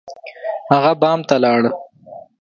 هغه بام ته لاړ.